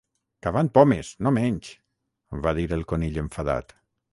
"Cavant pomes, no menys!" va dir el Conill enfadat.